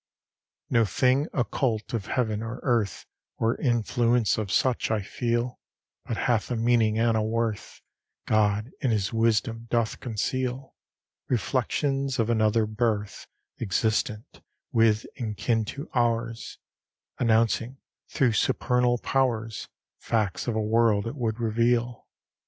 LIII No thing occult of Heaven or Earth, Or influence of such, I feel But hath a meaning and a worth God, in His wisdom, doth conceal: Reflections of another birth, Existent with and kin to ours, Announcing through supernal powers Facts of a world it would reveal.